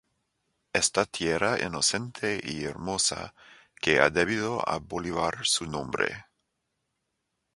Esta tierra inocente y hermosa, que a debido a Bolívar su nombre,